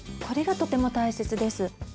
これがとても大切です。